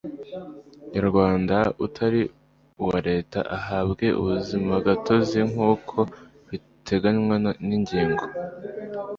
nyarwanda utari uwa Leta uhabwe ubuzimagatozi nk uko biteganywa n ingingo